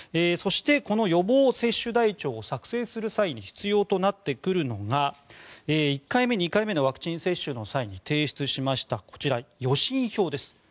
そしてこの予防接種台帳を作成する際に必要となってくるのが１回目、２回目のワクチン接種の際に提出しましたこちら、予診票です。